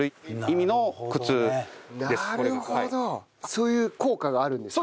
そういう効果があるんですか？